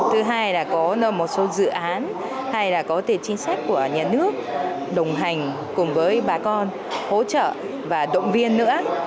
thứ hai là có một số dự án hay là có tiền chính sách của nhà nước đồng hành cùng với bà con hỗ trợ và động viên nữa